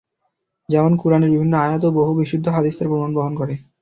যেমন কুরআনের বিভিন্ন আয়াত ও বহু বিশুদ্ধ হাদীস তার প্রমাণ বহন করে।